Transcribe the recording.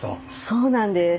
そうなんです。